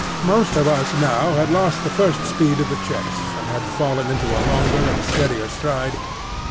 Most of us now had lost the first speed of the chase, and had fallen into a longer and steadier stride.